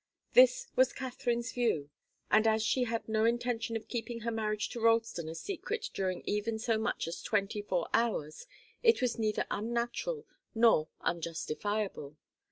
This was Katharine's view, and as she had no intention of keeping her marriage to Ralston a secret during even so much as twenty four hours, it was neither unnatural nor unjustifiable.